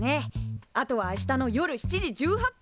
あとは明日の夜７時１８分に来るだけ。